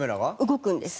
動くんです。